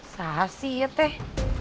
sasi ya teh